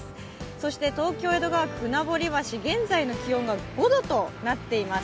そして東京・江戸川区船堀橋現在の気温が５度となっています。